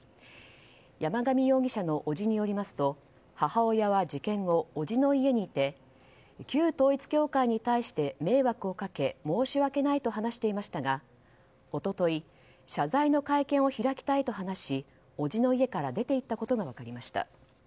山上容疑者の伯父によりますと母親は事件後、伯父の家にいて旧統一教会に対して迷惑をかけ申し訳ないと話していましたがおととい、謝罪の会見を開きたいと話し伯父の家から出ていったことが分かりました。